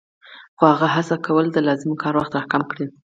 خو هغه هڅه کوي د لازم کار وخت را کم کړي